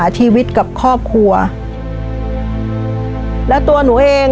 ชีวิตหนูเกิดมาเนี่ยอยู่กับดิน